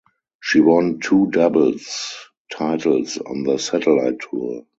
She won two doubles titles on the satellite tour.